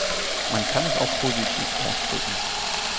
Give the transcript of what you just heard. Man kann es auch positiv ausdrücken.